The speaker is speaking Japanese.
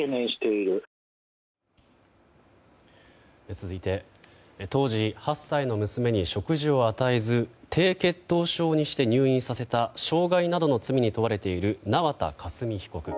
続いて、当時８歳の娘に食事を与えず低血糖症にして入院させた傷害などの罪に問われている縄田佳純被告。